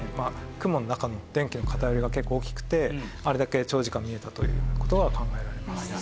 雲の中の電気の偏りが結構大きくてあれだけ長時間見えたという事が考えられます。